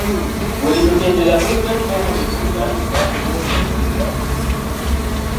Buli mitendera kuliko ekitongole ekivunaanyizibwa ku by'obulimi.